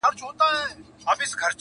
سپوږمۍ د خدای روی مي دروړی-